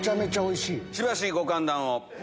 しばしご歓談を。